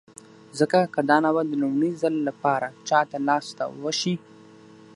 ځکه که دا ناول د لومړي ځل لپاره چاته لاس ته وشي